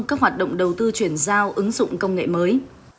các hoạt động đầu tư chuyển giao ứng dụng công nghệ mới